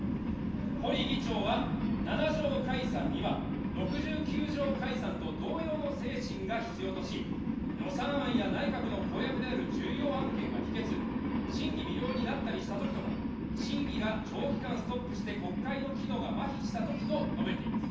保利議長は、７条解散には、６９条解散と同様の精神が必要とし、予算案や内閣の公約である重要案件が否決、審議未了になったりしたときとか、審議が長期期間ストップして国会の機能がまひしたときと述べています。